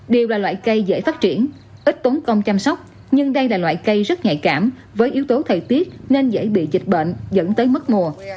điều là loại cây dễ phát triển ít tốn công chăm sóc nhưng đây là loại cây rất nhạy cảm với yếu tố thời tiết nên dễ bị dịch bệnh dẫn tới mất mùa